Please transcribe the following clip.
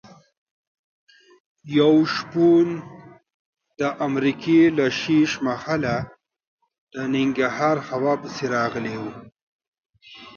یو شپون د امریکا له ښیښ محله د ننګرهار هوا پسې راغلی و.